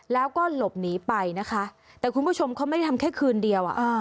แล้วก็หลบหนีไปนะคะแต่คุณผู้ชมเขาไม่ได้ทำแค่คืนเดียวอ่ะ